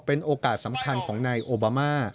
เป็นโอกาสสำคัญของนายโอบามา